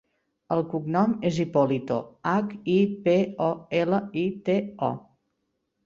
El cognom és Hipolito: hac, i, pe, o, ela, i, te, o.